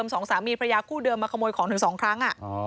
สองสามีพระยาคู่เดิมมาขโมยของเธอสองครั้งอ่ะ